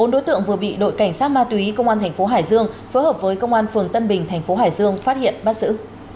bốn đối tượng vừa bị đội cảnh sát ma túy công an thành phố hải dương phối hợp với công an phường tân bình thành phố hải dương phát hiện bắt giữ